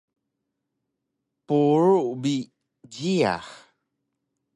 Purug bi jiyax